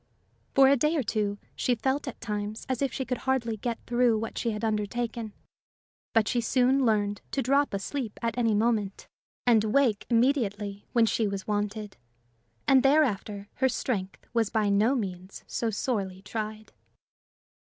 For a day or two, she felt at times as if she could hardly get through what she had undertaken; but she soon learned to drop asleep at any moment, and wake immediately when she was wanted; and thereafter her strength was by no means so sorely tried.